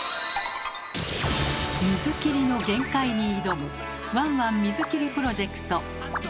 水切りの限界に挑む「ワンワン水切りプロジェクト」。